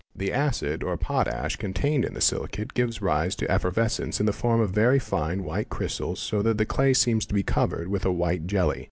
'The acid or potash contained in the silicate | gives rise to effervescence in the form of very fine white crystals so that — 2) the clay seems to be covered with a white jelly.